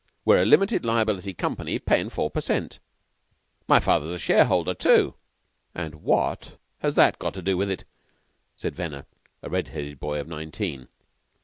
We're a limited liability company payin' four per cent. My father's a shareholder, too." "What's that got to do with it?" said Venner, a red headed boy of nineteen.